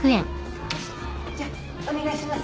じゃお願いします。